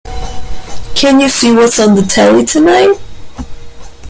Can you see what's on the telly tonight?